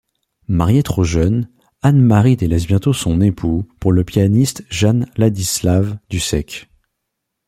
Mariée trop jeune, Anne-Marie délaisse bientôt son époux pour le pianiste Jan Ladislav Dussek.